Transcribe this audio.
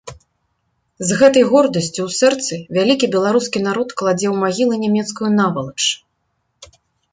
З гэтай гордасцю ў сэрцы вялікі беларускі народ кладзе ў магілы нямецкую навалач.